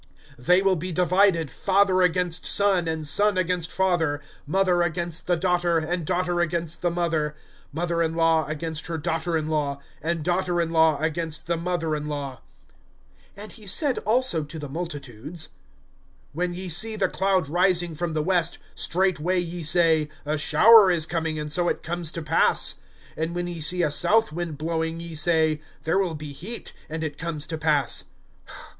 (53)They will be divided, father against son, and son against father; mother against the daughter, and daughter against the mother; mother in law against her daughter in law, and daughter in law against the mother in law. (54)And he said also to the multitudes: When ye see the cloud rising from the west, straightway ye say: A shower is coming and so it comes to pass. (55)And when ye see a south wind blowing, ye say: There will be heat; and it comes to pass.